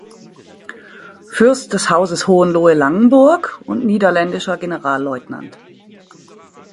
Fürst des Hauses Hohenlohe-Langenburg und niederländischer Generalleutnant.